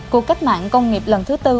cuộc cách mạng công nghiệp lần thứ bốn